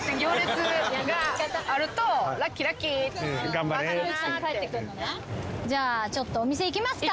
「頑張れ」じゃあちょっとお店行きますか。